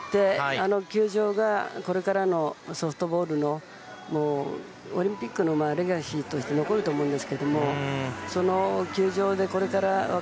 あの球場がこれからのソフトボールのオリンピックのレガシーとして残ると思うんですが。